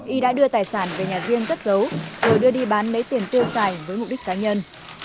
y đã đưa tài sản về nhà riêng cất giấu rồi đưa đi bán lấy tiền tiêu xài với mục đích cá nhân